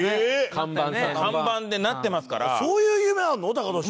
看板でなってますから。